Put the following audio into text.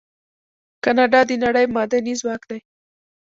کاناډا د نړۍ معدني ځواک دی.